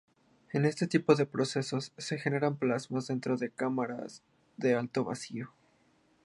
En este tipo de procesos se generan plasmas dentro de cámaras de alto vacío.